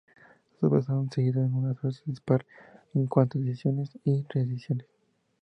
Sus obras han seguido una suerte dispar en cuanto a ediciones y reediciones.